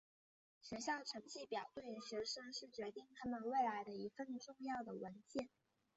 学校成绩表对于学生是决定他们未来的一份重要的文件。